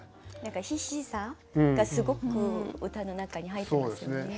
何か必死さ？がすごく歌の中に入ってますよね。